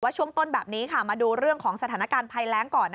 ช่วงต้นแบบนี้ค่ะมาดูเรื่องของสถานการณ์ภัยแรงก่อน